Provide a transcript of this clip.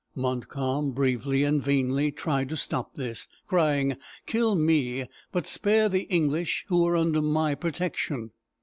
Montcalm bravely and vainly tried to stop this, crying: "Kill me, but spare the English who are under my protection."